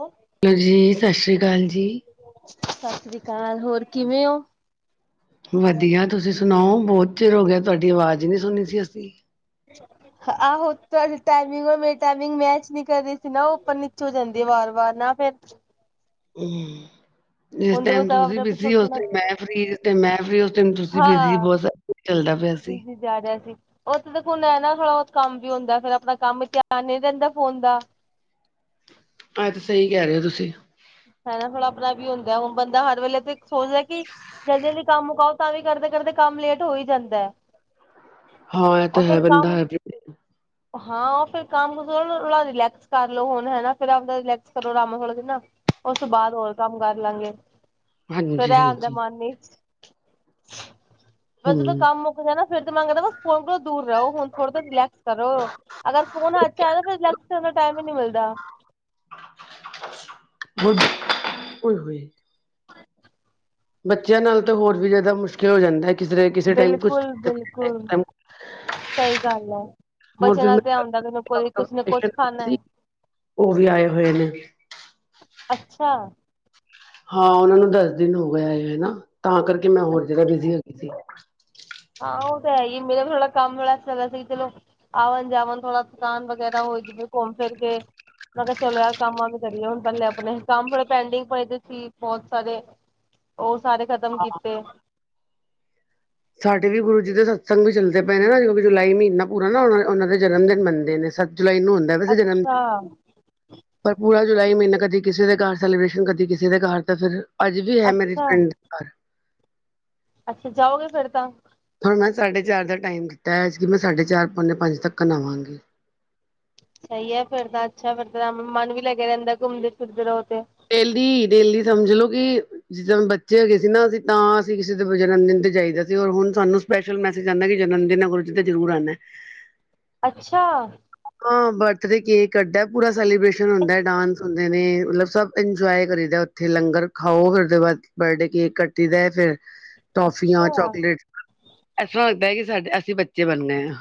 ਸਤਿ ਹੈਲੋ ਜੀ। ਸਤਿ ਸ੍ਰੀ ਅਕਾਲ ਜੀ। ਸਤਿ ਸ੍ਰੀ ਅਕਾਲ ਹੋਰ ਕਿਵੇਂ ਹੋ? ਵਧੀਆ। ਤੁਸੀਂ ਸੁਣਾਓ ਬਹੁਤ ਚਿਰ ਹੋ ਗਿਆ ਤੁਹਾਡੀ ਆਵਾਜ਼ ਨਹੀਂ ਸੁਣੀ ਸੀ ਅਸੀਂ [inaudible] ਆਹੋ ਤੁਹਾਡੀ ਟਾਈਮਿੰਗ ਹੋਰ ਮੇਰੀ ਟਾਈਮਿੰਗ ਮੈਚ ਨੀ ਕਰ ਰਹੀ ਸੀ ਨਾ, ਉਹ ਉੱਪਰ ਨੀਚੋਂ ਹੋ ਜਾਂਦੀ ਵਾਰ ਵਾਰ ਨਾ ਫਿਰ ਹੂ ਜਿਸ ਹੁਣ ਦੇਖੋ ਟਾਈਮ ਸਭ ਤੁਸੀਂ ਆਪਣਾ ਥੋੜਾ ਬਿਜ਼ੀ, ਉਸ ਥੋੜਾ ਟਾਈਮ ਮੈਂ ਫ੍ਰੀ, ਜਿਸ ਟਾਈਮ ਮੈਂ ਫ੍ਰੀ ਉਸ ਟਾਈਮ ਤੁਸੀਂ ਬਿਜ਼ੀ ਹਾਂ ਬਹੁਤ ਚੱਲਦਾ ਪਿਆ ਸੀ। ਬਿਜੀ ਜਾ ਰਿਹਾ ਸੀ। ਉਥੇ ਹੁਣ ਹੈ ਨਾ ਥੋੜਾ ਬਹੁਤਾ ਕੰਮ ਵੀ ਹੁੰਦਾ, ਫੇਰ ਆਪਣਾ ਕੰਮ ਵੀ ਹੁੰਦਾ ਧਿਆਨ ਨਹੀਂ ਰਹਿੰਦਾ ਫੋਨ ਦਾ। ਆ ਤੇ ਸਹੀ ਕਹਿ ਰਹੇ ਹੋ ਤੁਸੀਂ? ਹੈ ਨਾ ਥੋੜ੍ਹਾ ਪਰਾ ਵੀ ਹੁੰਦਾ ਹੁਣ ਬੰਦਾ ਹਰ ਵੇਲੇ ਤੇ ਸੋਚਦਾ ਕਿ ਜਲਦੀ ਜਲਦੀ ਕੰਮ ਮੁਕਾਓ ਤਾਂ ਵੀ ਕਰਦੇ ਕਰਦੇ ਕੰਮ ਲੇਟ ਹੋ ਹੀ ਜਾਂਦਾ। [inaudible] ਇਹ ਤਾਂ ਔਰ ਹੈ ਫਿਰ ਬੰਦਾ ਕੰਮ ਹੈ। [inaudible] ਹਾਂ ਫਿਰ ਕੰਮ ਨੂੰ ਥੋੜਾ ਰਿਲੈਕਸ ਕਰ ਲੋ ਹੁਣ ਹੈਨਾ, ਫਿਰ ਰਿਲੈਕਸ ਕਰੋ ਆਰਾਮ ਥੋੜ੍ਹਾ ਜਿਨ੍ਹਾਂ ਉਸ ਤੋਂ ਬਾਦ ਹੋਰ ਕੰਮ ਕਰ ਲਾਂਗੇ ਫਿਰ ਹਾਂਜੀ ਇਹ ਆਉਂਦਾ ਹਾਂਜੀ ਮਨ ਵਿੱਚ ਪਰ ਜਦੋ ਹਮ ਕੰਮ ਮੁੱਕਦਾ ਨਾ ਫਿਰ ਤੇ ਮੰਗਦਾ ਵ ਹੁਣ ਥੋੜਾ ਦੂਰ ਰਹੋ। ਹੁਣ ਥੋੜਾ ਦੇਰ ਰਿਲੈਕਸ ਕਰੋ। ਅਗਰ ਫੋਨ ਹੱਥ ਚ ਆ, ਤਾਂ ਫਿਰ ਰਿਲੈਕਸ ਦਾ ਟਾਈਮ ਹੀ ਨਹੀਂ ਮਿਲਦਾ। ਉ ਉਏ ਹੋਏ ਬੱਚਿਆਂ ਨਾਲ ਤਾਂ ਹੋਰ ਵੀ ਜ਼ਿਆਦਾ ਮੁਸ਼ਕਿਲ ਹੋ ਜਾਂਦਾ ਹੈ, ਕਿਧਰੇ ਕਿਸੇ ਟਾਈਮ ਕੁਛ ਬਿਲਕੁਲ ਕਿਸੇ ਬਿਲਕੁਲ ਟਾਈਮ ਕੁਛ ਸਹੀ ਗੱਲ ਹੈ। ਹੋਰ ਬੱਚਿਆਂ ਫਿਰ ਨਾਲ ਐਵੇ ਮੈਂ ਹੁੰਦਾ ਕੋਈ ਕੁਛ ਨਾ ਕੁਛ ਖਾਣਾ ਹੈ। ਉਹ ਵੀ ਆਏ ਹੋਏ ਨੇ ਅੱਛਾ। ਹਾਂ ਉਹਨਾਂ ਨੂੰ ਦਸ ਦਿਨ ਹੋ ਗਏ ਆਏ ਹੋਏ ਨਾ, ਤਾਂ ਕਰਕੇ ਮੈਂ ਹੋਰ ਜਯਾਦਾ ਬਿਜੀ ਹੋ ਗਈ ਸੀ। ਹਾਂ ਉਹ ਤੇ ਹੈ ਈ ਹੈ। ਮੇਰਾ ਥੋੜਾ ਕੰਮ ਵਾਲਾ ਚੱਲਦਾ ਸੀ ਚਲੋ ਆਵਨ ਜਾਵਨ ਥੋੜਾ ਥਕਾਨ ਵਗੈਰਾ ਹੋਏ ਜਿਵੇ ਘੁੰਮ ਫਿਰ ਕੇ। ਮੈਂ ਕਿਹਾ ਚਲੋ ਯਾਰ ਕੰਮਾਂ ਕਰੀਏ ਹੁਣ ਪਹਿੱਲੇ ਅਪਣੇ ਕੰਮ ਥੋੜੇ ਪੈਂਡਿੰਗ ਪਏ ਸੀਂ ਬਹੁਤ ਸਾਰੇ। [inaudible] ਉਹ ਸਾਰੇ ਖ਼ਤਮ ਕੀਤੇ। ਸਾਡੇ ਵੀ ਗੁਰੂ ਜੀ ਦੇ ਸਤਸੰਗ ਵੀ ਚੱਲਦੇ ਪਏ ਨੇ ਨਾ ਜੋ ਜੁਲਾਈ ਮਹੀਨਾ ਪੂਰਾ ਨਾ ਉਹਨਾਂ ਦੇ ਜਨਮ ਮੰਨਦੇ ਨੇ। ਜੁਲਾਈ ਨੂੰ ਹੁੰਦਾ ਵੈਸੇ ਜਨਮ ਅੱਛਾ ਦਿਨ। ਪਰ ਪੂਰਾ ਜੁਲਾਈ ਮਹੀਨਾ ਕਦੀ ਕਿਸੇ ਦੇ ਘਰ ਸੈਲੀਬ੍ਰੇਸ਼ਨ ਕਦੀ ਕਿਸੇ ਦੇ ਘਰ ਤਾਂ ਫਿਰ। ਅੱਜ ਵੀ ਹੈ ਮੇਰੀ ਅੱਛਾ ਫ੍ਰੈਂਡ ਦੇ ਘਰ। ਅੱਛਾ ਜਾਓਗੇ ਫੇਰ ਤਾਂ। ਹੁਣ ਮੈਂ ਸਾਢੇ ਚਾਰ ਦਾ ਟਾਈਮ ਕੀਤਾ ਐਤਕੀ ਮੈਂ ਸਾਢੇ ਚਾਰ ਪੌਨੇ ਪੰਜ ਤੱਕ ਆਵਾਂਗੀ। ਸਹੀ ਹੈ ਫਿਰਦਾ ਅੱਛਾ ਫਿਰਦਾ ਮਨ ਵੀ ਲੱਗਿਆ ਰਹਿੰਦਾ ਘੁੰਮਦੇ ਫਿਰਦੇ ਰਹੋ ਤੇ। ਡੇਲੀ ਡੇਲੀ ਸਮਝ ਲਓ ਕਿ। ਜਿੱਦਨ ਬੱਚੇ ਹੋਗੇਏ ਸੀ ਨਾ ਅਸੀਂ ਤਾਂ ਅਸੀਂ ਕਿਸੇ ਦੇ ਜਨਮਦਿਨ ਜਾਈਦਾ ਸੀ ਔਰ ਹੁਣ ਸਾਨੂੰ। ਸਪੈਸ਼ਲ ਮੈਸੇਜ ਆਂਦਾ ਕਿ ਜਨਮ ਦਿਨ ਹੈ ਗੁਰੂ ਜੀ ਦਾ ਜ਼ਰੂਰ ਆਣਾ। ਅੱਛਾ। ਹਾਂ ਬਰਥਡੇ ਕੇਕ ਕੱਟਦਾ ਪੂਰਾ ਸੈਲੀਬ੍ਰੇਸ਼ਨ ਹੁੰਦਾ ਡਾਂਸ ਹੁੰਦਾ। ਮਤਲਬ ਸਭ ਇੰਜੋਏ ਕਰੀ ਦਾ ਉੱਥੇ ਲੰਗਰ ਖਾਓ ਫਿਰ ਉਹਦੇ ਬਾਅਦ ਬਰਡੇ ਕੇਕ ਕੱਟੀ ਦਾ ਫਿਰ। ਟੋਫੀਆਂ ਅੱਛਾ ਚੋਕਲੇਟ ਐ ਸਾਡੇ ਹੀ ਅਸੀਂ ਬੱਚੇ ਬਣ ਗਏ ਆਂ।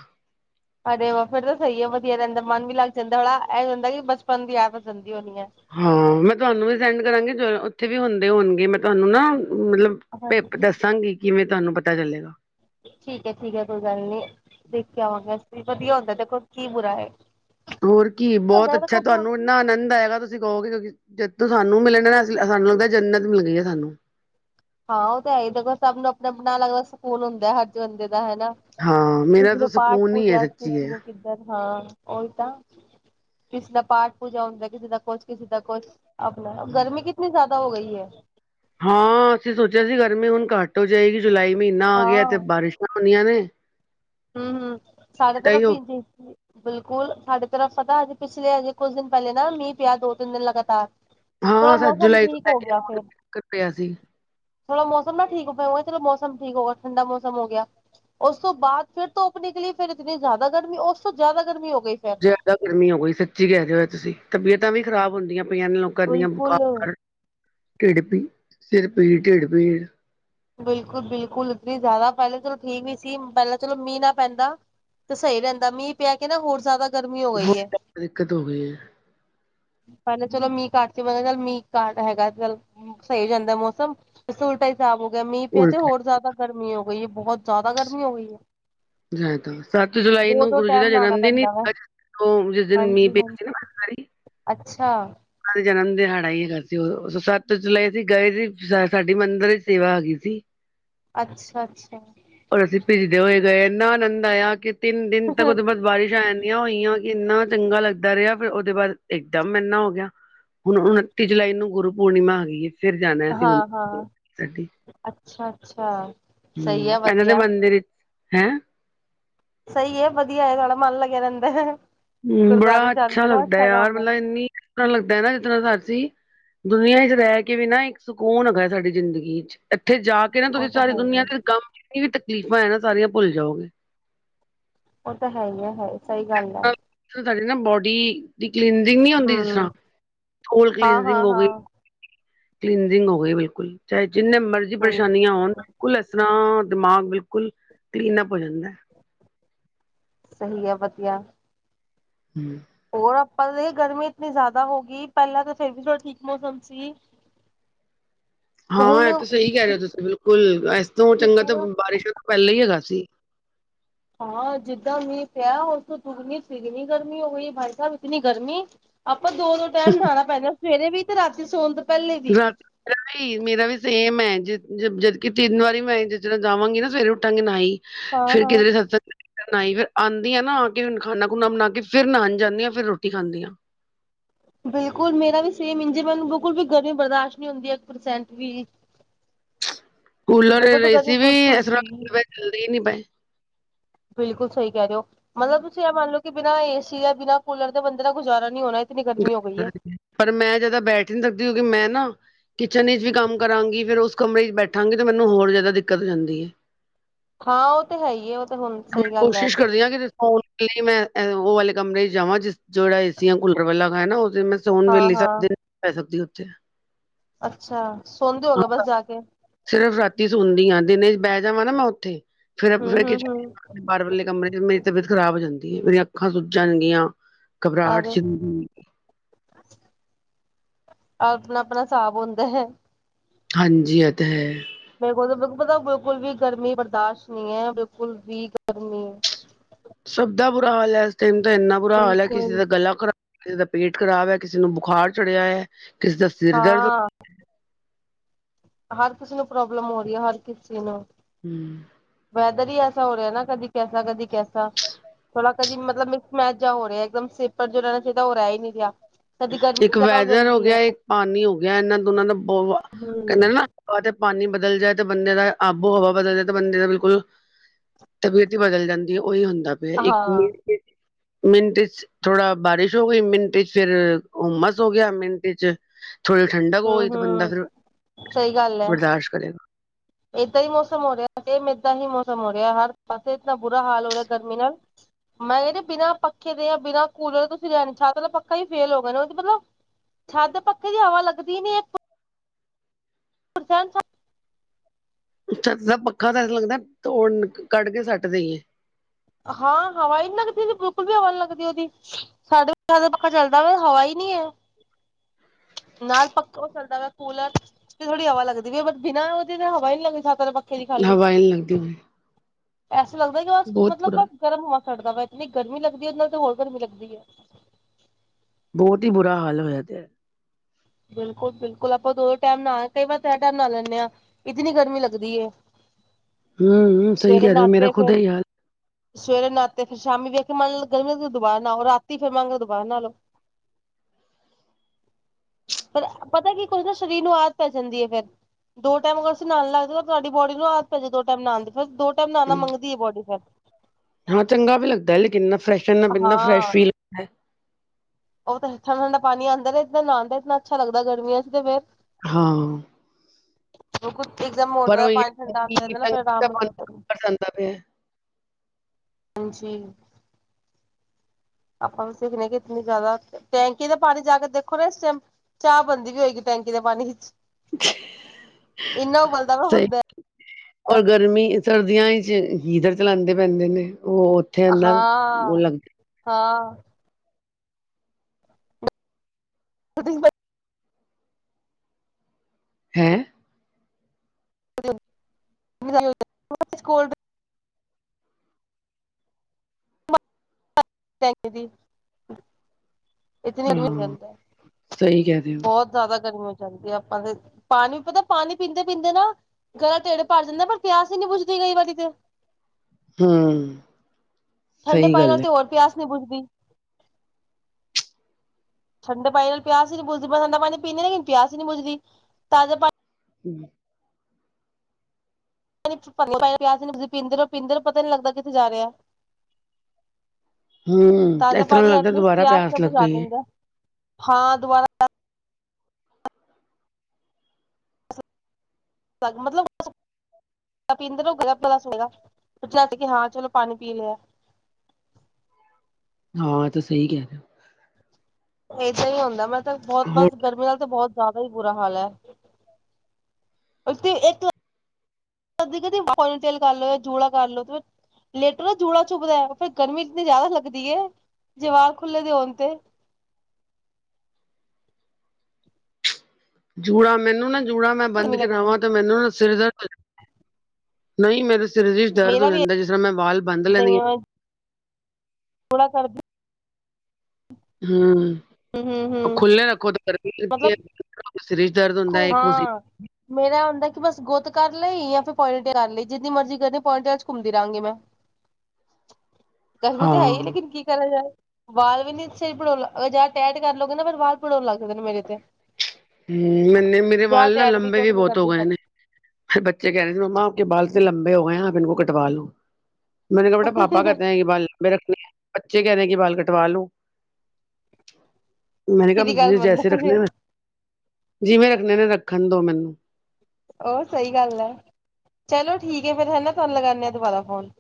ਅਰੇ ਫੇਰ ਤਾਂ ਸਹੀ ਹੈ ਵਧੀਆ ਰਹਿੰਦਾ ਮਨ ਵੀ ਲੱਗ ਜਾਂਦਾ ਬੜਾ ਇਹ ਹੁੰਦਾ ਕਿ ਬਚਪਨ ਦੀ ਆ ਆਦਤ ਹੁੰਦੀ ਹੋਣੀ ਹੈ। ਹਾਂ ਮੈਂ ਤੁਹਾਨੂੰ ਵੀ ਸੈਂਡ ਕਰਾਂਗੀ ਉੱਥੇ ਵੀ ਹੁੰਦੇ ਹੋਣਗੇ ਮੈਂ ਤੁਹਾਨੂੰ ਨਾ ਮਤਲਬ। ਤੇ ਹਾਂਜੀ ਦੱਸਾਂਗੀ ਕਿਵੇਂ ਤੁਹਾਨੂੰ ਪਤਾ ਚਲੇਗਾ। ਠੀਕ ਐ ਠੀਕ ਐ ਕੋਈ ਗੱਲ ਨੀ ਦੇਖ ਕੇ ਆਵਾਂਗੇ ਅਸੀਂ ਵਧੀਆ ਹੁੰਦਾ ਦੇਖੋ ਕੀ ਬੁਰਾ ਐ। ਹੋਰ ਕੀ ਬਹੁਤ ਅੱਛਾ ਤੁਹਾਨੂੰ। ਇੰਨਾ ਆਨੰਦ ਆਏਗਾ ਤੁਸੀਂ ਕਹੋਗੇ ਕਿਉਂਕਿ ਜੇਤੋਂ ਸਾਨੂੰ ਮਿਲਣਣਾ ਨਾ ਸਾਨੂੰ ਲੱਗਦਾ ਜਨਤ ਮਿਲ ਗਈ ਐ। ਸਾਨੂੰ। ਹਾਂ ਉਹ ਤਾਂ ਹੈ ਹੀ ਦੇਖ ਸਭ ਨੂੰ ਆਪਣਾ-ਆਪਣਾ ਅਲਗ-ਅਲੱਗ ਸਕੂਨ ਹੁੰਦਾ ਐ ਹਰਜ ਬੰਦੇ ਦਾ ਹਨਾ। ਹਾਂ ਕਿਸ ਮੇਰਾ ਤਾਂ ਦਿਨ ਪਾਠ ਸਕੂਨ ਹੀ ਹੈ ਪੂਜਾ ਕਿਸ ਸੱਚੀ ਹੈ ਦਿਨ ਕਿਸ। ਹਾਂ ਉਹੀ ਤਾਂ ਕਿਸੇ ਦਾ ਪਾਠ ਪੂਜਾ ਹੁੰਦਾ ਕਿਸੇ ਦਾ ਕੁਛ ਕਿਸੇ ਦਾ ਕੁਛ। ਆਪਣਾ ਗਰਮੀ ਕਿਤਨੀ ਜ਼ਿਆਦਾ ਹੋ ਗਈ ਐ। ਹਾਂ ਅਸੀਂ ਸੋਚਿਆ ਸੀ ਗਰਮੀ ਹੁਣ ਘੱਟ ਹੋ ਜਾਏਗੀ ਜੁਲਾਈ ਮਹੀਨਾ ਆ ਗਿਆ ਹਾਂ ਤੇ ਬਾਰਿਸ਼ਾਂ ਹੁੰਦੀਆਂ ਨੇ। ਹਮ-ਹਮ ਸਾਡੇ ਉਲਟਾ ਹੀ ਤਰਫ ਹੋ ਇੰਝੀ। ਬਿਲਕੁਲ ਸਾਡੇ ਤਰਫ ਪਤਾ ਅਜੇ ਪਿਛਲੇ ਹਜੇ ਕੁੱਝ ਦਿਨ ਪਹਿਲੇ ਨਾ ਮੀਂਹ ਪਿਆ ਦੋ ਤਿੰਨ ਦਿਨ ਲਗਾਤਾਰ। ਹਾਂ ਥੋੜਾ ਸੱਤ ਮੌਸਮ ਜੁਲਾਈ ਤੋਂ ਠੀਕ ਲੈ ਹੋ ਕੇ ਗਿਆ ਨੌ ਫਿਰ। ਜੁਲਾਈ ਤੱਕ ਪਿਆ ਸੀ ਥੋੜ੍ਹਾ ਮੌਸਮ ਨਾ ਠੀਕ ਮੌਸਮ ਠੀਕ ਗਿਆ ਠੰਡਾ ਮੌਸਮ ਹੋ ਗਿਆ ਉਸ ਤੋ ਬਾਅਦ। ਫਿਰ ਧੁੱਪ ਨਿਕਲੀ ਫਿਰ ਇਤਨੀ ਜ਼ਿਆਦਾ ਗਰਮੀ ਉਸ ਤੋਂ ਜ਼ਿਆਦਾ ਗਰਮੀ ਹੋ ਗਈ ਫਿਰ। ਗਰਮੀ ਹੋ ਗਈ ਸੱਚੀ ਕਹਿ ਰਹੇ ਐ ਤੁਸੀਂ ਤਬੀਅਤਾਂ ਵੀ ਖਰਾਬ ਹੁੰਦੀਆਂ। ਹੋਈਆਂ ਲੋਕਾਂ ਦੀਆਂ ਬੁਖਾਰ ਬਿਲਕੁਲ ਕਾਰਨ ਢਿੱੜ ਪੀੜ ਸਿਰ ਪੀੜ ਢਿੱੜ ਪੀੜ। ਬਿਲਕੁਲ-ਬਿਲਕੁਲ ਉਧਰ ਜ਼ਿਆਦਾ ਪਹਿਲਾਂ ਚਲੋ ਠੀਕ ਵੀ ਸੀ ਪਹਿਲਾਂ ਚਲੋ ਮੀਂਹ ਨਾ ਪੈਂਦਾ। ਤੇ ਸਹੀ ਰਹਿੰਦਾ ਮੀਂਹ ਪਿਆ ਕੇ ਨਾ ਹੋਰ ਜ਼ਿਆਦਾ ਗਰਮੀ ਹੋ ਹੋਰ ਗਈ ਐ। ਜ਼ਿਆਦਾ ਦਿੱਕਤ ਹੋ [inaudible] ਪਹਿਲਾਂ ਚਲੋ ਮੀਂ ਕਰਕੇ [inaudible] ਪ ਗੱਲ ਮੀਂਹੱਟ ਹੈਗਾ। ਅੱਜ ਗੱਲ ਸਹੀ ਰਹਿੰਦਾ ਮੌਸਮ ਤੇ ਉਲਟਾ ਹੀ ਸਾਬ। ਜਦ ਮੀਂਹ ਪਿਆ ਤੇ ਉਲਟਾ ਹੋਰ ਜ਼ਿਆਦਾ ਗਰਮੀ ਹੋ ਗਈ ਐ ਬਹੁਤ ਜ਼ਿਆਦਾ ਗਰਮੀ ਹੋ ਗਈ ਐ। ਸੱਤ ਜੁਲਾਈ ਨੂੰ ਗੁਰੂ ਜੀ ਟਾਈਮ ਦਾ ਨਹਾਣਾ ਜਨਮ ਦਿਨ ਹੀ। ਪੈਂਦਾ ਵਾ ਉਹ ਜਿਸ ਦਿਨ ਮੀਂਹ ਹਾਂਜੀ ਪਿਆ ਹਾਂਜੀ ਸੀ। ਅੱਛਾ। ਉਹਨਾਂ ਦੇ ਜਨਮ ਦਿਹਾੜਾ ਹੀ ਹੇਗਾ ਸੀ, ਉਹ ਸੱਤ ਜੁਲਾਈ ਅਸੀਂ ਗਏ ਸੀ ਸਾਡੀ ਮੰਦਰ ਵਿੱਚ ਸੇਵਾ ਆਗੀ ਸੀ। ਅੱਛਾ-ਅੱਛਾ‌। ਔਰ ਅਸੀਂ ਭਿੱਜਦੇ ਹੋਏ ਗਏ, ਇੰਨਾ ਅਨੰਦ ਆਇਆ ਕਿ ਤਿੰਨ ਦਿਨ ਤੱਕ ਉਹਦੇ ਬਾਅਦ ਬਾਰਿਸ਼ ਆਏ ਹੋਈਆਂ ਕਿ ਇੰਨਾ ਚੰਗਾ ਲੱਗਦਾ ਰਿਹਾ, ਫਿਰ ਉਹਦੇ ਬਾਅਦ ਇੱਕਦਮ ਮ ਇੰਨਾ ਹੋਗਿਆ। ਹੁਣ, ਉਨੱਤੀ ਜੁਲਾਈ ਨੂੰ ਗੁਰੂ ਪੋਰਣੀਮਾ ਆਗੀ ਏ। ਫਿਰ ਜਾਣਾ ਅਸੀਂ ਮੰਦਰ ਹਾਂ-ਹਾਂ, ਸਾਡੀ ਅੱਛਾ-ਅੱਛਾ। ਹੂੰ, ਇਹਨਾਂ ਦੇ ਮੰਦਿਰ ਈਚ, ਹੈਂ। ਸਹੀ ਏ, ਵਧੀਆ ਥੋੜਾ ਮਨ ਲੱਗਿਆ ਰਹਿੰਦਾ। ਹੂੰ, ਬੜਾ ਗੁਰਦੁਆਰੇ ਅੱਛਾ ਜਾਂਦੇ ਰਹੋ ਲੱਗਦਾ ਯਾਰ, ਕੰਮ ਹੈ ਮਤਲਬ ਇੰਨੀ ਤਰ੍ਹਾਂ ਲੱਗਦਾ ਨਾ ਜਿਸ ਤਰਾ ਅਸੀ ਦੁਨੀਆਂ'ਚ ਰਹਿਕੇ ਵੀ ਨਾ ਇੱਕ ਸਕੂਨ ਹੈਗਾ ਸਾਡੀ ਜ਼ਿੰਦਗੀ'ਚ ਇੱਥੇ ਜਾ ਕੇਰਾਂ ਉਹ ਤੁਸੀਂ ਤਾਂ ਸਾਰੀ ਹੈ ਹੀ ਹੈ ਦੁਨੀਆਂ'ਚ ਗਮ, ਜਿਤਨੀ ਵੀ ਤਕਲੀਫ਼ਾਂ ਐ ਨਾ ਸਾਰੀਆਂ ਭੁੱਲ ਜਾਓਗੇ। ਉਹ ਤਾ ਹੈਗਾ ਹੈ, ਸਹੀ ਗੱਲ ਐ। ਤੁਹਾਡੀ ਨਾ ਬੋਡੀ ਦੀ ਕਲੀਨਜਿੰਗ ਨੀ ਹੁੰਦੀ ਜਿਸ ਹਮ ਤਰ੍ਹਾਂ, ਸਕੋਲ ਹਾਂ ਕਲੀਨਜਿੰਗ ਹਾਂ ਹੋ ਹਾਂ ਗਈ। ਕਲੀੰਜਿਗ ਹੋ ਗਈ ਬਿਲਕੁਲ, ਚਾਹੇ ਜਿੰਨੇ ਮਰਜ਼ੀ ਪਰੇਸ਼ਾਨੀਆਂ ਹੋਣ ਬਿਲਕੁਲ ਬਿਲਕੁਲ ਐਸ ਰਾਂ ਦਿਮਾਗ ਬਿਲਕੁਲ, ਕਲੀਨ ਅੱਪ ਹੋ ਜਾਂਦੈ। ਸਹੀ ਐ ਵਧੀਆ। ਹੂੰ ਹੋਰ ਆਪਾਂ ਗਰਮੀ ਇਤਨੀ ਜ਼ਿਆਦਾ ਹੋਗੀ, ਪਹਿਲਾਂ ਤਾਂ ਫੇਰ ਵੀ ਥੋੜਾ ਠੀਕ ਮੌਸਮ ਸੀ। [inaudible] ਹਾਂ, ਹੁਣ ਐ ਤਾਂ ਸਹੀ ਕਹਿ ਰਹੇ ਓ ਤੁਸੀਂ ਬਿਲਕੁਲ, ਐਸ ਤੋਂ ਚੰਗਾ ਜਿੱਦਾਂ ਤਾਂ ਦਾ ਬਾਰਿਸ਼ਾ ਤੋਂ ਪਹਿਲਾਂ ਹੀ ਹੈਗਾ ਸੀ। ਹਾਂ, ਜਿੱਦਾਂ ਮੀਂਹ ਪਿਆ, ਉਸ ਤੋਂ ਦੁਗਨੀ-ਤਿਗਨੀ ਗਰਮੀ ਹੋ ਗਈ, ਭਾਈ ਸਾਹਿਬ ਇਤਨੀ ਗਰਮੀ। ਆਪਾਂ ਦੋ-ਦੋ ਟਾਈਮ ਨ੍ਹਾਣਾ ਪੈਂਦਾ, ਸਵੇਰੇ ਤੇ ਰਾਤੀ ਸੋਣ ਤੋ [unintelligible] ਵੀ ਮੇਰਾ ਵੀ ਸੇਮ ਐ, ਜ-ਜਬ-ਜ ਕਿ ਤਿੰਨ ਵਾਰੀ ਮੈਂ ਜਿਸ ਤਰ੍ਹਾਂ ਜਾਵਾਂਗੀ ਨਾ ਸਵੇਰੇ ਉੱਠਾਂਗੀ ਨਹਾਈ, ਹਾਂ ਫੇਰ ਹਾਂ ਕਿਧਰੇ ਸਤ ਨਾਈ ਫਿਰ ਆਂਦੀ ਆ ਨਾ, ਆਕੇ ਹੁਣ ਖਾਂਣਾ-ਖੁਣਾ ਬਣਾਕੇ ਫਿਰ ਨਹਾਣ ਜਾਂਨੀ ਆ, ਫਿਰ ਰ੍ਹੋਟੀ ਖਾਂਦੀ ਆਂ। ਬਿਲਕੁਲ ਮੇਰਾ ਵੀ ਸੇਮ ਇੰਝ ਮੈਨੂੰ ਬਿਲਕੁਲ ਵੀ ਗਰਮੀ ਬਰਦਾਸ਼ਤ ਨਹੀਂ ਹੁੰਦੀ ਇੱਕ ਪਰਸੈਂਟ ਵੀ। ਕੂਲਰ ਮੇਰੇ ਕੋਲ ਔਰ ਤਾਂ ਗਰਮੀ ਏਸੀ ਵੀ ਬਿਲਕੁਲ ਏਸ ਰਾ ਵੀ [unintelligible] ਚਲਦੇ ਈ ਨੀ ਪਏ। ਬਿਲਕੁਲ ਸਹੀ ਕਹਿ ਰਹੇ ਓ, ਮਤਲਬ ਤੁਸੀਂ ਇਹ ਮੰਨਲੋ, ਕਿ ਬਿਨਾਂ ਏਸੀ, ਬਿਨਾਂ ਕੂਲਰ ਦੇ ਬੰਦੇ ਦਾ ਗੁਜ਼ਾਰਾ ਨੀ ਹੋਣਾ। ਕਿਤਨੀ ਗਰਮੀ ਹੋ ਗਈ। ਹੈ ਪਰ ਮੈਂ ਜਾਦਾ ਬੈਠ ਨੀ ਸਕਦੀ, ਕਿਉਂ ਕੀ ਮੈਂ ਨਾ ਕਿਚਨ 'ਚ ਵੀ ਕੰਮ ਕਰਾਂਗੀ, ਫਿਰ ਉਸ ਕਮਰੇ 'ਚ ਬੈਠਾਂਗੀ ਤੇ ਮੈਨੂੰ ਹੋਰ ਜਾਦਾ ਦਿੱਕਤ ਜਾਂਦੀ ਏ। ਹਾਂ ਉਹ ਤੇ ਹੈਹੀ ਏ, ਉਹ ਤੇ ਹੁਣ ਸਹੀ ਗੱਲ ਐ। ਜਾ ਕਿਤੇ ਸਕੂਲ ਲਈ ਮੈਂ ਉਹ ਵਾਲੇ ਕਮਰੇ 'ਚ ਜਾਵਾਂ, ਜਿਸ-ਜਿਹੜਾ ਏਸੀ ਯਾ ਕੂਲਰ ਵਾਲਾ ਲਗਾ ਐ ਨਾ, ਉਹਦੇ ਮੈਂ ਸੌਣ ਹਾਂ ਵੇਲੀ [unintelligible] ਹਾਂ ਸ-ਪੈ ਸਕਦੀ ਉੱਥੇ। ਅੱਛਾ, ਸੋਂਦੇ ਹੋਗੇ ਬਸ ਹਾਂ ਜਾਕੇ? ਸਿਰਫ ਰਾਂਤੀ ਸੋਂਦੀ ਆਂ, ਦਿਨੇ ਬਹਿ ਜਾਵਾਂ ਨਾ ਮੈਂ ਉੱਥੇ, ਹੂੰ ਫਿਰ-ਫਿਰ ਹੂੰ ਕਿਚ ਹੂੰ ਬਾਹਰ ਵਿਲੇ ਕਮਰੇ'ਚ ਮੇਰੀ ਤਬੀਅਤ ਖਰਾਬ ਹੋ ਜਾਂਦੀ, ਮੇਰੀਆਂ ਅੱਖਾਂ ਸੁੱਜ ਜਾਣ ਗੀਆ। ਘਬਰਾਹਟ ਸ਼ਿੜੁਗੀ। ਅਪਨਾ-ਆਪਨਾ ਸ੍ਹਾਬ ਹੁੰਦੈ। ਹਾਂਜੀ, ਇਹ ਤ ਹੈ। ਮੇਰੇ ਕੋਲ ਬ-ਪਤਾ ਬਿਲਕੁਲ ਵੀ ਗਰਮੀ ਬਰਦਾਸ਼ਤ ਨਹੀਂ ਏ, ਬਿਲਕੁਲ ਵੀ, ਗਰਮੀ। ਸਭ ਦਾ ਬੁਰਾ ਹਾਲ ਐ, ਇਸ ਟਾਈਮ ਤਾ ਇੰਨਾ ਬੁਰਾ ਹਾਲ ਹੈ, ਕਿਸੇ ਬਿਲਕੁਲ ਦਾ ਗਲਾ ਖਰਾਬ ਕਿਸੇ ਦਾ ਪੇਟ ਖ਼ਰਾਬ ਐ, ਕਿਸੇ ਨੂੰ ਬੁਖਾਰ ਚੜਿਆ ਐ, ਕਿਸੇ ਦਾ ਸਿਰ ਦਰਦ। ਹਾਂ ਹਰ ਕਿਸੇ ਨੂੰ ਪ੍ਰੋਬਲਮ ਹੋ ਰਹੀ ਐ, ਹਰ ਕਿਸੀ ਨੂੰ। ਹੂੰ। ਵੈਦਰ ਈ ਐਸਾ ਹੋ ਰੇਆ ਨਾ, ਕਦੀ ਕੈਸਾ, ਕਦੀ ਕੈਸਾ। ਥੋੜਾ ਕਦੀ ਮਤਲਬ ਮਿਕਸ-ਮੈਚ ਜਾ ਹੋ ਰਿਆ, ਇੱਕਦਮ ਸਿੰਪਲ ਜੋ ਰੇਨਾ ਚਾਈਦਾ ਓਹ ਰੈ ਈ ਨੀ ਗਿਆ। ਇੱਕ ਵੈਦਰ ਹੋ ਗਿਆ, ਇੱਕ ਪਾਨੀ ਹੋ ਗਿਆ। ਏਨਾ ਦੋਨਾਂ ਦਾ ਬਵਾ ਹਮ ਕੈਂਦੇ ਨਾ ਆ ਤੇ ਪਾਨੀ ਬਦਲ ਜਾਏ ਤੇ ਬੰਦੇ ਦਾ ਆਬੋ-ਹਵਾ ਬਦਲ ਜਾਏ ਤੇ ਬੰਦੇ ਦਾ ਬਿਲਕੁਲ ਤਬੀਅਤ ਈ ਬਦਲ ਜਾਂਦੀ ਐ, ੳਈ ਹੁੰਦਾ। ਫਿਰ ਇੱਕ ਹਾਂ ਮਿੰਟ, ਮਿੰਟ ਚ ਥੋੜਾ ਬਾਰਿਸ਼ ਹੋ ਗਈ ਮਿੰਟ ਚ ਫਿਰ ਹੁੰਮਸ ਹੋ ਗਿਆ ਮਿੰਟ ਚ ਥੋੜੀ ਠੰਡਕ ਹੋ ਗਈ ਹਮ ਤਾਂ ਬੰਦਾ ਹਮ ਫਿਰ ਸਹੀ ਗੱਲ ਹੈ ਬਰਦਾਸ਼ ਕਰੇਗਾ। ਏਦਾਂ ਹੀ ਮੌਸਮ ਹੋ ਰਿਹਾ, ਸੇਮ ਏਦਾਂ ਹੀ ਮੌਸਮ ਹੋ ਰਿਹਾ ਹਰ ਪਾਸੇ ਇਤਨਾ ਬੁਰਾ ਹਾਲ ਹੋ ਰਿਹਾ ਗਰਮੀ ਨਾਲ ਮੈਂ ਕੈ ਰੀ ਬਿਨਾ ਪੱਖੇ ਦੇ, ਬਿਨਾ ਕੂਲਰ ਦੇ ਤੁਸੀ ਰੈ ਨਈ ਸਕਦੇ, ਪੱਖੇ ਵੀ ਫੇਲ ਹੋਗੇ ਨੇ ੳਦੇ ਮਤਲਬ ਛੱਤ ਦੇ ਪੱਖੇ ਦੀ ਹਵਾ ਲੱਗਦੀ ਨੀ ਐ [unintelligible] ੳਚਾ ਪੱਖਾ ਤਾਂ ਏਂਜ ਲਗਦਾ ਤੋੜ, ਕਢ ਕੇ ਸਟ ਦੇਈਏ। ਹਾਂ, ਹਵਾ ਈ ਨੀ ਲਗਦੀ ਬਿਲਕੁਲ ਵੀ ਹਵਾ ਨੀ ਲਗਦੀ ੳਦੀ। ਸਾਡੇ ਠਾਂ ਤੇ ਪੱਖਾ ਚੱਲਦਾ ਵੇ ਹਵਾ ਈ ਨੀ ਹੈ। ਨਾਲ ਪਖਾ ਚੱਲਦਾ ਵੇ ਕੂਲਰ ਤੇ ਥੋੜੀ ਹਵਾ ਲੱਗਦੀ ਏ, ਬਿਨਾ ੳਦੇ ਤੇ ਹਵਾ ਈ ਨੀ ਲਗਦੀ ਛੱਤ ਆਲੇ ਪੱਖ ਪਖੇ ਦੀ ਖਾਲੀ, ਹਵਾਏ ਨੀ ਏਸਾ ਲਗਦਾ ਕਿ ਬਸ ਬੋਤ ਮਤਲਬ ਬੁਰਾ ਬਸ ਗਰਮ ਹਵਾ ਛੱਡਦਾ ਪੇਂਦਾ, ਇਤਨੀ ਗਰਮੀ ਲੱਗਦੀ ੳਦੇ ਨਾਲ ਤੇ ਹੋਰ ਗਰਮੀ ਲਗਦੀ ਐ। ਬੋਤ ਈ ਬੁਰਾ ਹਾਲ ਹੋਏਆ ਦਾ। ਬਿਲਕੁਲ-ਬਿਲਕੁਲ, ਆਪਾਂ ਦੋ ਟਾਈਮ ਨਾਹ ਕਈ ਵਾਰ ਤੈ੍ ਟਾਈਮ ਨਾਹ ਲੈਂਨੇ ਆਂ। ਇਤਨੀ ਗਰਮੀ ਲਗਦੀ ਐ। ਹੂੰ ਹੂੰ, ਸਈ ਕੈ ਰਏ, ਮੇਰਾ ਖੁਦ ਫਿਰ ਏਹੀ ਹਾਲ ਸਵੇਰੇ ਨਾਤੇ ਫਿਰ ਸ਼ਾਮੀ ਵੇਖ ਕੇ ਮੰਨ ਲੋ ਗਰਮੀ ਲਗੇ ਦੁਬਾਰਾ ਨਾੳ ਔਰ ਰਾਤੀ ਫੇਰ ਮਨ ਕਰੇ ਦੁਬਾਰਾ ਨਾ ਲੋ। ਪਰ ਪਤਾ ਕੀ ਕੁੱਝ ਨਾ ਸਰੀਰ ਨੂੰ ਆਦਤ ਪੈ ਜਾਂਦੀ ਐ ਫੇਰ। ਦੋ ਟਾਈਮ ਅਗਰ ਅਸੀ ਨਾਣ ਲੱਗ ਜੋ ਨਾ ਤੁਹਾਡੀ ਬੋਡੀ ਨੂੰ ਆਦਤ ਪੈ ਜਾਂਦੀ ਏ ਦੋ ਟਾਈਮ ਨਾਣ ਦੀ ਫਿਰ ਦੋ ਟਾਈਮ ਨਾਣਾ ਮੰਗਦੀ ਏ ਬੋਡੀ ਫੇਰ। ਹਾਂ ਚੰਗਾ ਵੀ ਲੱਗਦਾ ਲੇਕਿਨ ਏਨਾ ਫਰੈਸ਼ ਹਾਂ। ਹੈ ੳਹ ਤਾਂ ਠੰਡਾ-ਠੰਡਾ ਪਾਨੀ ਆਂਦਾ ਏਦਾਂ ਨਾਣ ਦਾ ਇਤਨਾ ਅੱਛਾ ਲਗਦਾ ਗਰਮੀਆਂ ਚ ਤੇ ਫੇਰ ਹਾਂ। ਜੋ ਕੁਝ ਇੱਕਦਮ ਮੋਟਰ ਪਰ ਦਾ ੳਈ ਐ ਪਾਣੀ ਨਾ ਠੰਡਾ ਆਂਦਾ ਟੰਕੀ ਰਹਿੰਦਾ ਨਾ ਫਿਰ ਦਾ ਆਰਾਮ ਨਾਲ ਪਾਨੀ ਨਹਾਤੇ ਰਹੋ। ਆਂਦਾ ਜਾਂਦਾ ਪੇਆ। ਹਾਂਜੀ। ਆਪਾਂ ਵੀ ਸਿੱਖਣੇ ਕਿ ਇਤਨੀ ਜਿਆਦਾ ਟੈਂਕੀ ਦਾ ਪਾਨੀ ਜਾ ਕੇ ਦੇਖੋ ਨਾ ਇਸ ਟਾਈਮ ਚਾਅ ਬਨਦੀ ਪਈ ਹੋਏਗੀ ਟੈਂਕੀ ਦੇ ਪਾਨੀ ਵਿੱਚ, ਏਨਾ ਉਬਲਦਾ ਪੇਆ ਸਹੀ ਹੁੰਦਾ। ਔਰ ਗਰਮੀ ਸਰਦੀਆਂ ਚ ਹੀਟਰ ਚਲਾਂਦੇ ਪੈਂਦੇ ਨੇ, ਹੋਰ ਹਾਂ [unintelligible] ਹਾਂ। [unintelligible] ਹੇਂ? [unintelligible] ਟੈਂਕੀ ਦੀ ਇਤਨੀ ਗਰਮੀ ਹੋ ਹੂੰ, ਜਾਂਦਾ ਹੈ ਸਹੀ ਕਹਿ ਰਹਿ ਬਹੁਤ ਜ਼ਿਆਦਾ ਗਰਮੀ ਹੋ ਜਾਂਦੀ ਏ, ਆਪਾਂ ਦੇ ਪਾਣੀ ਪਤਾ ਪਾਣੀ ਪੀਂਦੇ- ਪੀਂਦੇ ਨਾ ਗਲਾ ਤੇੇੜੇ ਭਰ ਜਾਂਦਾ ਪਰ ਪਿਆਸ ਹੀ ਨਈ ਬੁਜਦੀ ਕਈ ਵਾਰੀ ਤੇ ਹੂੰ ਠੰਡੇ ਸਹੀ ਪਾਣੀ ਨਾਲ ਗੱਲ ਹੈ। ਤੇ ਹੋਰ ਪਿਆਸ ਨੀ ਬੁਜਦੀ। ਠੰਡੇ ਪਾਣੀ ਪਿਆਸ ਹੀ ਨੀ ਬੁਜਦੀ ਬ ਠੰਡਾ ਪਾਣੀ ਪੀਂਦੇ ਨੀ ਪਿਆਸ ਨੀ ਬੁਜਦੀ ਤਾਜ਼ਾ ਪਾਣੀ ਹੂੰ [unintelligible] ਭਰਨੇ ਆ ਪਰ ਪਿਆਸ ਈ ਨੀ ਭੁਜਦੀ, ਪੀਂਦੇ ਰਹੋ ਪੀਂਦੇ ਰਹੋ ਪਤਾ ਨੀ ਲੱਗਦਾ ਕਿਥੇ ਜਾ ਰਿਹਾ। ਹੂੰ ਤਾਜ਼ਾ ਇਸ ਤਰ੍ਹਾਂ ਪਾਣੀ ਲੱਗਦਾ ਐਟਲੀਸਟ ਦੁਬਾਰਾ ਪਿਆਸ ਤਾ ਲੱਗ ਬੁਝਾ ਗਈ ਹੈ ਦਿੰਦਾ, ਹਾਂ ਦੁਬਾਰਾ [unintelligible] ਮਤਲਬ ਸਭ ਪੀਂਦੇ ਰਹੋ ਗੱਲਾ-ਗੂਲਾ [unintelligible] ਹੋਏ ਗਾ, ਝਟ ਕੇ ਹਾ, ਚਲੋ ਪਾਣੀ ਪੀ ਲਿਆ। ਹਾਂ ਤੂ ਸਹੀ ਕਹਿ ਰਿਹਾ। ਏਦਾਂ ਈ ਹੁੰਦਾ ਮੈਂ ਤਾਂ ਬਹੁਤ ਹੋ। ਬਸ ਗਰਮੀ ਚ ਤੇ ਬਹੁਤ ਜ਼ਿਆਦਾ ਹੀ ਬੁਰਾ ਹਾਲ ਐ, [unintelligible] ਕਦੀ ਕਦੀ ਪੋਨੀ ਟੇਲ ਕਰ ਲੈ, ਜੂੜਾ ਕਰ ਲੌ ਤੁ ਲੇਟੇ ਰੋ ਜੂੜਾ ਚੁਭਦਾ ਐ, ਫਿਰ ਗਰਮੀ ਇਤਨੀ ਜ਼ਿਆਦਾ ਲੱਗਦੀ ਏ ਜੇ ਵਾਲ ਖੁੱਲੇ ਜੇ ਹੋਣ ਤੇ ਜੂੜਾ ਮੈਨੂੰ ਨਾ ਜੂੜਾ ਮੈਂ ਬੰਦ ਗਰਮੀ ਲੱਗਦੀ ਹੈ ਕਰਾਵਾਂ ਤੇ ਮੈਨੂੰ ਨਾ ਸਿਰ ਦਰਦ ਹੋ ਜਾਦਾ ਨਈ ਮੇਰੇ ਸਿਰ 'ਚ' ਦਰਦ ਹੋ ਮੇਰਾ ਵੀ ਜਾਂਦਾ ਜਿਸ ਤਰ੍ਹਾਂ ਮੈਂ ਵਾਲ ਬੰਦ ਲੈਂਦੀ ਅ ਥੋੜ੍ਹਾ ਕਰਦੀ। ਹੂੰ, ਹੂੰ ਹੂੰ ਹੂੰ ਖੁੱਲੇ ਰੱਖੋ ਤੇ ਗਰਮੀ ਲੱਗਦੀ ਏ [unintelligible] ਦਰਦ ਹੁੰਦਾ ਹੈ ਖੋਲਾ ਇੱਕ ਮੁਸੀ ਮੇਰਾ ਹੁੰਦਾ ਕਿ ਬਸ ਗੁਤ ਕਰ ਲਈ ਜਾਂ ਫਿਰ ਪੁਆਇੰਟ ਕਰ ਲਈ ਜਿੰਨੀ ਮਰਜ਼ੀ ਕਰਦੇ ਪੁਆਇੰਟ 'ਚ' ਘੁੰਮਦੀ ਰਹਾਂਗੀ ਮੈਂ [inaudible] ਗਰਮੀ ਹਾਂ ਤਾਂ ਹੈ ਹੀ ਲੇਕਿਨ ਕੀ ਤ ਵਾਲ ਵੀ ਨੀ ਸ, ਪੜਾਲਾ ਅ ਜੇ ਟੈਟ ਕਰ ਲੋਉਗੇ ਨਾ ਫਿਰ ਵਾਲ ਭੁਰਨ ਲੱਗਦੇ ਨੇ ਮੇਰੇ ਤੇ ਹੂ, ਮੈਨੇ ਮੇਰੇ ਜਾ ਵਾਲ ਨਾ ਟੈਟ ਲੰਬੇ ਕੁਛ ਵੀ ਨੀ ਬਹੁਤ ਹੋ ਕਰਦੀ ਗਏ ਨੇ ਫਿਰ ਬੱਚੇ ਕਹਿਗੇ ਮੰਮਾ ਆਪ ਕੇ ਵਾਲ ਤੇ ਲੰਬੇ ਹੋ ਗਏ ਹੈ, ਆਪ ਇਨ ਕੋ ਕਟਵਾ ਲੋ। ਮੈਨੇ ਕਹਾ ਬੇਟਾ ਪਾਪ ਕਹਿ ਫਿਰ ਤੇ ਹੈ ਕਿ ਬਾਲ ਲੰਬੇ ਰੱਖਣੇ ਐ, ਬੱਚੇ ਕਹਿ ਰਹੇ ਕਿ ਬਾਲ ਕਟਵਾ ਲੋ। ਮੈ ਨੇ ਕਹਾ ਕਿਹਦੀ ਗੱਲ ਜਿਵੇ ਜੈਸੇ ਮੰਨੂਗੇ ਰੱਖਣੇ ਨ, ਜਿਵੇਂ ਰੱਖਣੇ ਨੇ ਮੈਨੂੰ ਰੱਖਣ ਦੋ ਮੈਨੂੰ ਓ ਸਹੀ ਗੱਲ ਐ, ਚਲੋ ਠੀਕ ਏ ਫੇਰ ਹਨਾ ਤੁਆਨੂੰ ਲਗਾਨੇ ਆ ਦੁਬਾਰਾ ਫੋਨ।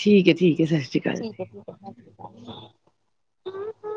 ਠੀਕ ਏ, ਠੀਕ ਏ ਸਸ ਰੀ ਕਾਲ ਜੀ। [inaudible]